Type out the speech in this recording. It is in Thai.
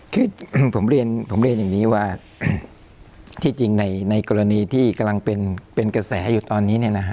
คือผมเรียนผมเรียนอย่างนี้ว่าที่จริงในกรณีที่กำลังเป็นกระแสอยู่ตอนนี้